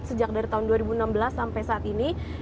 sejak dari tahun dua ribu enam belas sampai saat ini